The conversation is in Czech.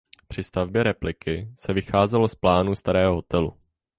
Při stavbě repliky se vycházelo z plánů starého hotelu.